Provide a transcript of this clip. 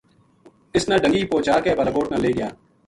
اِ سنا ڈَنگی پوچا کے بالاکوٹ نا لے گیا